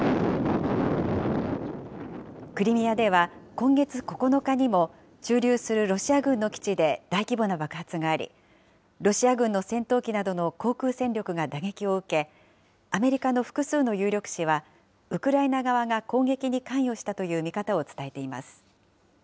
クリミアでは今月９日にも、駐留するロシア軍の基地で大規模な爆発があり、ロシア軍の戦闘機などの航空戦力が打撃を受け、アメリカの複数の有力紙は、ウクライナ側が攻撃に関与したという見方を伝えています。